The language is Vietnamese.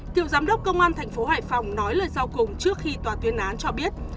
tiểu giám đốc công an tp hải phòng nói lời giao cùng trước khi tòa tuyên án cho biết